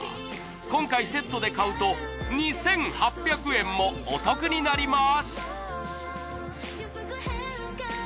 今回セットで買うと２８００円もお得になります